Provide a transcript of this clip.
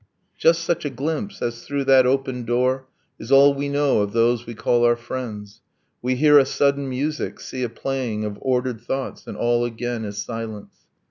Just such a glimpse, as through that opened door, Is all we know of those we call our friends. ... We hear a sudden music, see a playing Of ordered thoughts and all again is silence.